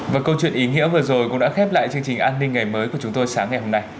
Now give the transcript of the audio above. và câu chuyện ý nghĩa vừa rồi cũng đã khép lại chương trình an ninh ngày mới của chúng tôi sáng ngày hôm nay